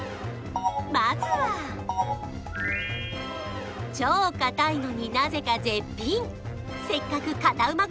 まずは超硬いのになぜか絶品せっかくカタうま